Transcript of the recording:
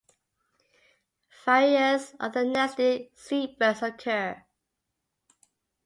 Various other nesting seabirds occur.